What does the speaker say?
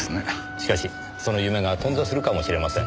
しかしその夢が頓挫するかもしれません。